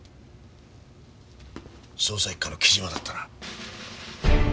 捜査一課の木島だったな。